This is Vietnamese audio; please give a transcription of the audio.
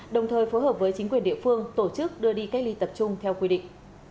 đồng thời phối hợp với chính quyền địa phương tổ chức đưa đi cách ly tập trung theo quy định